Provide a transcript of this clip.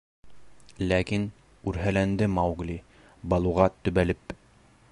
Ләкин, — үрһәләнде Маугли, Балуға төбәлеп.